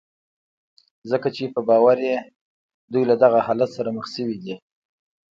ځکه چې په باور يې دوی له دغه حالت سره مخ شوي دي.